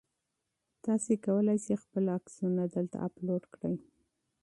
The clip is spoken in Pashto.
تاسي کولای شئ خپل عکسونه دلته اپلوډ کړئ.